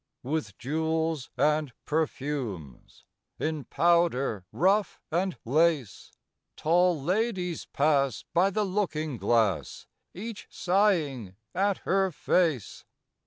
With jewels and perfumes, In powder, ruff, and lace, Tall ladies pass by the looking glass Each sighing at her face.